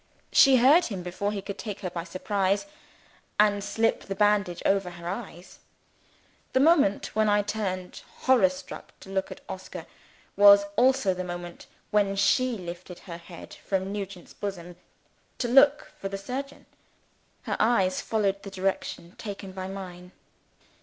She heard him, before he could take her by surprise, and slip the bandage over her eyes. The moment when I turned, horror struck, to look at Oscar, was also the moment when she lifted her head from Nugent's bosom to look for the surgeon. Her eyes followed the direction taken by mine.